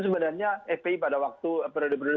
sebenarnya fpi pada waktu periode periode